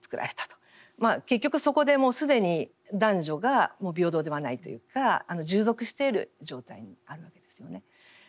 結局そこでもう既に男女が平等ではないというか従属している状態にあるわけですよね。